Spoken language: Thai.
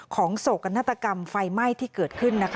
โศกนาฏกรรมไฟไหม้ที่เกิดขึ้น